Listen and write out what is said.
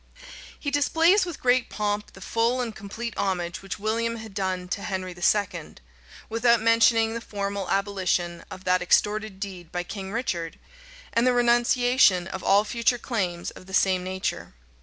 * Rymer, vol. ii. p. 844. Rymer, vol. ii. p. 863. He displays with great pomp the full and complete homage which William had done to Henry II.; without mentioning the formal abolition of that extorted deed by King Richard, and the renunciation of all future claims of the same nature.